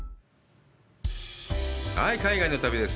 海外の旅です。